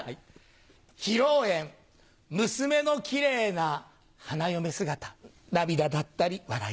披露宴娘のキレイな花嫁姿涙だったり笑いだったり。